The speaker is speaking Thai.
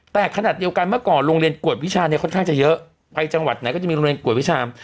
แต่ขนาดเดียวกันเมื่อก่อนโรงเรียนกวดวิชาเนี่ยค่อนข้างจะเยอะไปจังหวัดไหนก็จะมีโรงเรียนกวดวิชา